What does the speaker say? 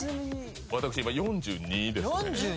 今４２ですね